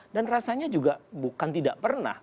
dan rasanya juga bukan tidak pernah